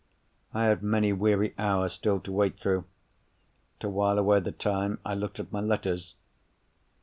I had many weary hours still to wait through. To while away the time, I looked at my letters.